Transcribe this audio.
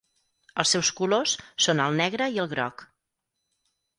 Els seus colors són el negre i el groc.